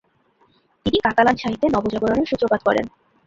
তিনি কাতালান সাহিত্যে নবজাগরণের সূত্রপাত করেন।